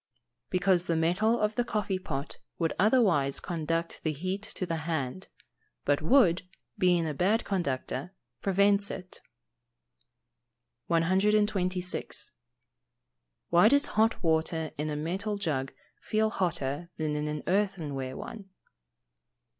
_ Because the metal of the coffee pot would otherwise conduct the heat to the hand; but wood, being a bad conductor, prevents it. 126. _Why does hot water in a metal jug feel hotter than in an earthenware one?